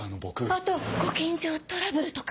あとご近所トラブルとか。